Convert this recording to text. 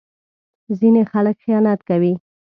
ځینې خلک خیانت کوي.